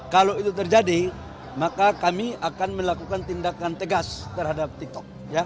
kalau itu terjadi maka kami akan melakukan tindakan tegas terhadap tiktok